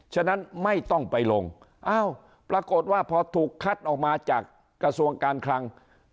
ฉะนั้นไม่ต้องไปลงอ้าวปรากฏว่าพอถูกคัดออกมาจากกระทรวงการคลัง